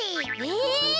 え？